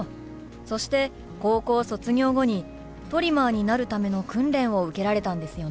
そして高校卒業後にトリマーになるための訓練を受けられたんですよね？